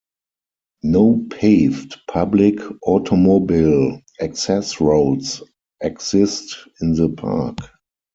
No paved public automobile access roads exist in the park.